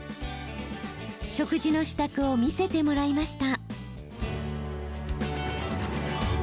食事の支度を見せてもらいました。